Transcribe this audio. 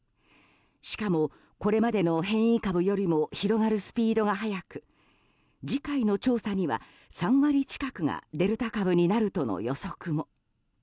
しかも、これまでの変異株よりも広がるスピードが速く次回の調査には３割近くがデルタ株になるとの予測も。